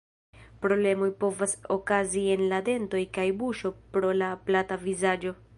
Problemoj povas okazi en la dentoj kaj buŝo pro la plata vizaĝo.